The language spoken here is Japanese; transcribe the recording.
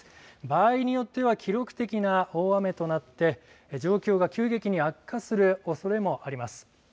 場合によっては記録的な大雨となって状況が急激に悪化するおそれもあります。